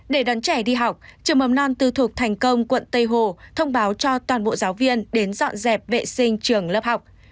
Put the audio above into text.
để đón trẻ đi học trường mầm non tư thuộc thành công quận tây hồ thông báo cho toàn bộ giáo viên đến dọn dẹp vệ sinh trường lớp học